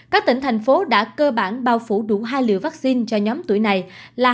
các tỉnh thành phố đã cơ bản bao phủ đủ hai liều vaccine cho nhóm tuổi này là